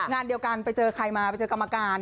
งานเดียวกันไปเจอใครมาไปเจอกรรมการ